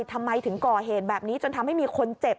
ทำไมถึงก่อเหตุแบบนี้จนทำให้มีคนเจ็บ